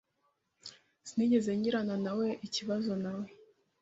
Sinigeze ngiranawe ikibazo nawe .